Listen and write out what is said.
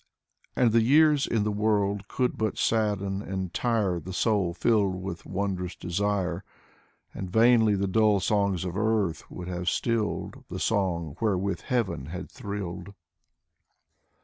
And the years in the world could but sadden and tire The soul filled with wondrous desire. And vainly the dull songs of earth would have stilled The song wherewith heaven had thrilled.